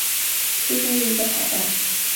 出身于北海道。